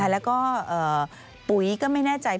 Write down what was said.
แล้วก็ปุ๋ยก็ไม่แน่ใจ